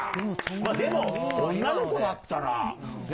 でも、女の子だったら、ね？